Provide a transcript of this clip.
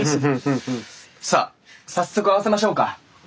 さあ早速合わせましょうか。